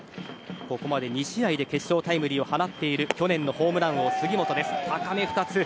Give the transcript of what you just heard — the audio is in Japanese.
ここまで２試合で決勝タイムリーを放っている去年のホームラン王、杉本。